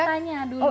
ibu nita nanya dulu